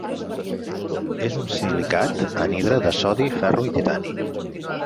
És un silicat anhidre de sodi, ferro i titani.